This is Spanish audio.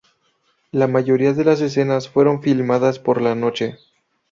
La mayoría de las escenas fueron filmadas por la noche.